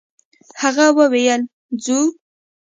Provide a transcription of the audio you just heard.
هغه وويل: «ځو!»